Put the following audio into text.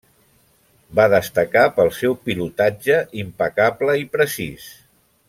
Va destacar pel seu pilotatge impecable i precís.